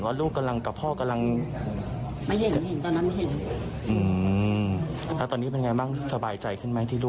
อยากจะบอกอะไรกับลูกไหมตอนนี้